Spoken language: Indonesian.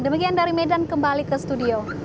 demikian dari medan kembali ke studio